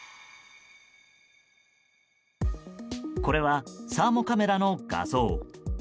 これは、サーモカメラの画像。